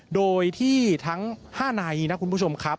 โดยที่ทั้ง๕นายนะคุณผู้ชมครับ